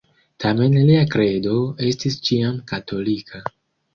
Tamen lia kredo estis ĉiam katolika.